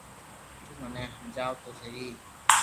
تو مني ھمجاو تو سھي